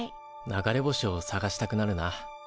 流れ星を探したくなるな。